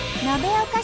何？